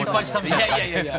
いやいやいやいや。